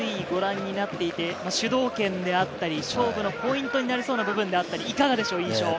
ご覧になって、主導権であったり勝負のポイントになりそうな部分、いかがでしょう？